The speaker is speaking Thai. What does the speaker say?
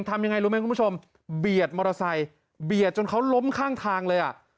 ทำยังไงรู้ไหมคุณผู้ชมเบียดมอเตอร์ไซค์เบียดจนเขาล้มข้างทางเลยอ่ะ